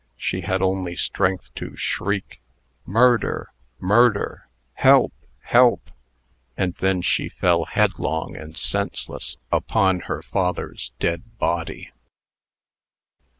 She had only strength to shriek, "Murder! murder! Help! help!" and then she fell headlong and senseless upon her father's dead body.